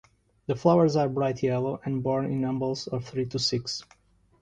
The flowers are bright yellow and borne in umbels of three to six.